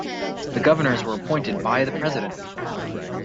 The governors were appointed by the President.